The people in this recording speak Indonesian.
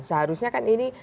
seharusnya kan ini